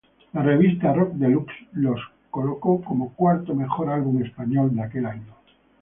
La revista Rockdelux les posicionó como cuarto mejor álbum español de aquel año.